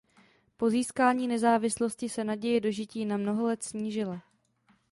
Po získání nezávislosti se naděje dožití na mnoho let snížila.